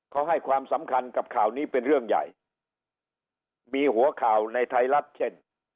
เขาให้ความสำคัญกับข่าวนี้เป็นเรื่องใหญ่มีหัวข่าวในไทยรัฐเช่น